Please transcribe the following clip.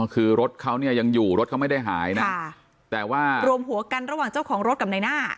คือรถเขาเนี่ยยังอยู่รถเขาไม่ได้หายนะแต่ว่ารวมหัวกันระหว่างเจ้าของรถกับในหน้า